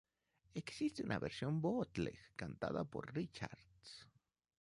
Existe una versión bootleg cantada por Richards.